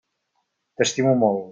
T'estimo molt.